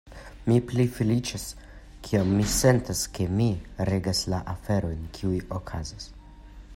Mi pli feliĉas, kiam mi sentas ke mi regas la aferojn, kiuj okazas.